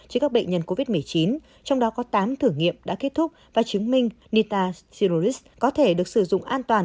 trên các bệnh nhân covid một mươi chín trong đó có tám thử nghiệm đã kết thúc và chứng minh nitocyanid có thể được sử dụng an toàn